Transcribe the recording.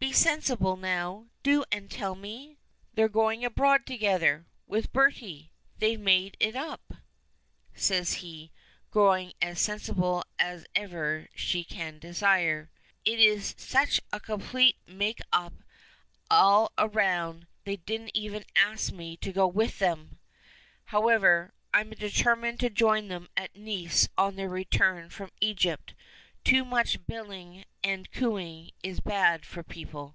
Be sensible now, do, and tell me." "They're going abroad together with Bertie. They've made it up," says he, growing as sensible as even she can desire. "It is such a complete make up all round that they didn't even ask me to go with them. However, I'm determined to join them at Nice on their return from Egypt. Too much billing and cooing is bad for people."